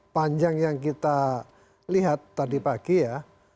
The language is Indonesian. panjang yang kita lihat tadi pagi ya